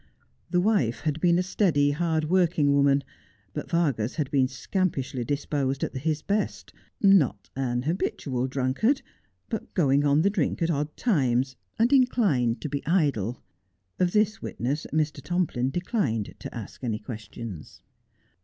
The wife had been a steady, hard working woman, but Vargas had been scampishly disposed at his best, not an habitual drunkard, but going on the drink at odd times, and inclined to be idle. Of this witness Mr. Tomplin declined to ask any questions.